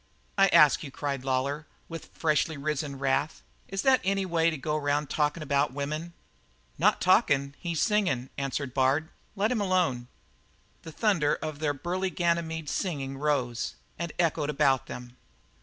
'" "I ask you," cried Lawlor, with freshly risen wrath, "is that any way to go around talkin' about women?" "Not talking. He's singing," answered Bard. "Let him alone." The thunder of their burly Ganymede's singing rose and echoed about them.